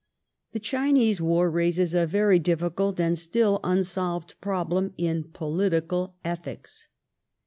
The Chinese War raises a very difficult and still unsolved pro The China blem in political ethics.